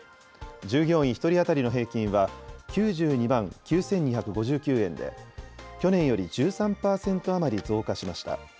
従業員１人当たりの平均は９２万９２５９円で、去年より１３％余り増加しました。